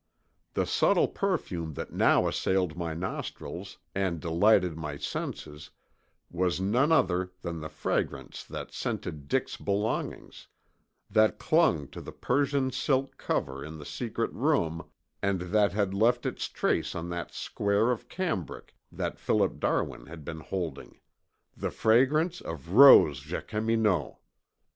The subtle perfume that now assailed my nostrils and delighted my senses was none other than the fragrance that scented Dick's belongings, that clung to the Persian silk cover in the secret room, and that had left its trace on that square of cambric that Philip Darwin had been holding, the fragrance of Rose Jacqueminot!